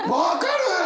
分かる！？